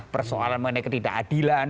persoalan mengenai ketidakadilan